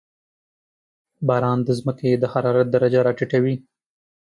• باران د زمکې د حرارت درجه راټیټوي.